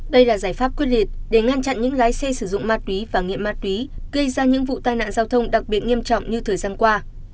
đây là giải pháp quyết liệt để ngăn chặn những lái xe sử dụng ma túy và nghiện ma túy gây ra những vụ tai nạn giao thông đặc biệt nghiêm trọng như thời gian qua